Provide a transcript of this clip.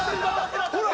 ほら！